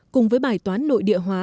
cùng với bài toán nội địa hóa